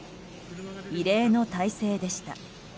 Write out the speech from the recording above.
異例の態勢でした。